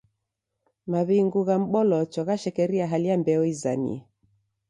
Maw'ingu gha m'bolocho ghashekeria hali ya mbeo izamie.